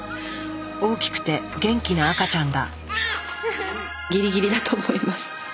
大きくて元気な赤ちゃんだ。